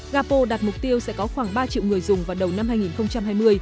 gapo đạt mục tiêu sẽ có khoảng ba triệu người dùng vào đầu năm hai nghìn hai mươi